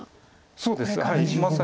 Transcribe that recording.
そうです